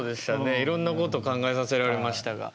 いろんなこと考えさせられましたが。